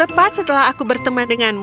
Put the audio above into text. tepat setelah aku berteman denganmu